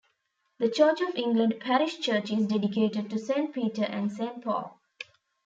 The Church of England parish church is dedicated to Saint Peter and Saint Paul.